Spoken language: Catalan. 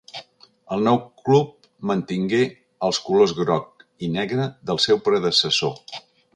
El nou club mantingué els colors groc i negre del seu predecessor.